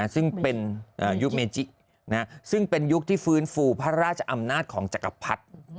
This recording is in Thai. ซึ่งเป็นยุคเมจิซึ่งเป็นยุคที่ฟื้นฟูพระราชอำนาจของจักรพรรดิ